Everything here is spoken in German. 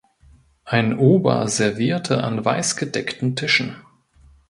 Ein Ober servierte an weiß gedeckten Tischen.